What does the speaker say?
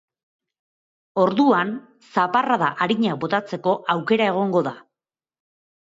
Orduan, zaparrada arinak botatzeko aukera egongo da.